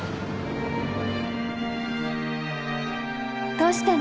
どうしたの？